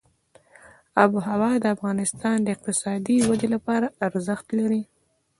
آب وهوا د افغانستان د اقتصادي ودې لپاره ارزښت لري.